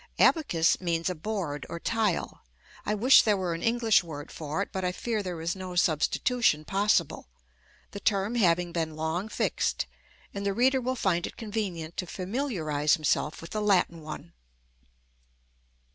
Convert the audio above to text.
Abacus means a board or tile: I wish there were an English word for it, but I fear there is no substitution possible, the term having been long fixed, and the reader will find it convenient to familiarise himself with the Latin one.